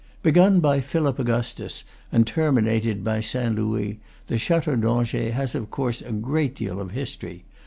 Begun by Philip Augustus, and terminated by St. Louis, the Chateau d'Angers has of course a great deal of history.